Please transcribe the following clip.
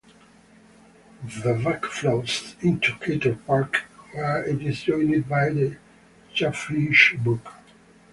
The Beck flows into Cator Park, where it is joined by the Chaffinch Brook.